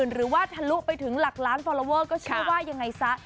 หรือว่าทะลุไปถึงหลักล้านฟอลลอเวอร์ก็เชื่อว่ายังไงซะ